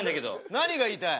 何が言いたい？